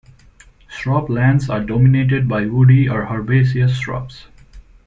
Shrub-lands are dominated by woody or herbaceous shrubs.